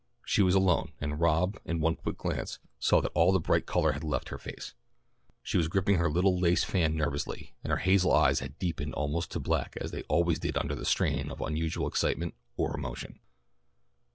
She was alone, and Rob, in one quick glance, saw that all the bright colour had left her face. She was gripping her little lace fan nervously, and her hazel eyes had deepened almost to black as they always did under the strain of unusual excitement or emotion.